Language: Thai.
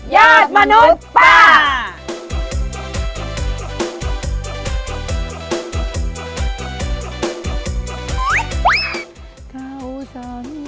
ยาดมนุษย์ป่า